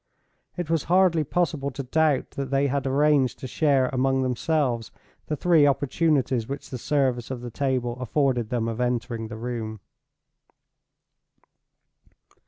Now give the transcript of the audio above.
It was hardly possible to doubt that they had arranged to share among themselves the three opportunities which the service of the table afforded them of entering the room.